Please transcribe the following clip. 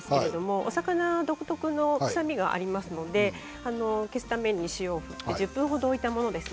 お魚独特の臭みがありますので消すために塩を振って１０分程置いたものです。